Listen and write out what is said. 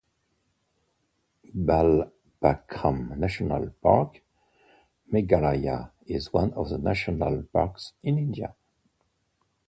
Balpakram National Park, Meghalaya is one of the national parks in India.